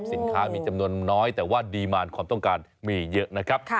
สินค้ามีจำนวนน้อยแต่ว่าดีมารความต้องการมีเยอะนะครับ